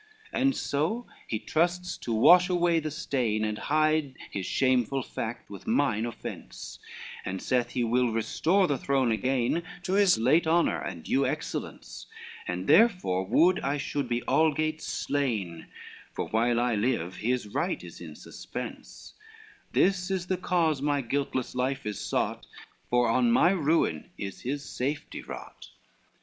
LX "And so he trusts to wash away the stain, And hide his shameful fact with mine offence, And saith he will restore the throne again To his late honor and due excellence, And therefore would I should be algates slain, For while I live, his right is in suspense, This is the cause my guiltless life is sought, For on my ruin is his safety wrought.